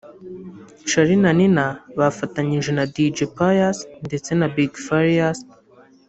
Charly na Nina bafatanyije na Dj Pius ndetse na Big Farious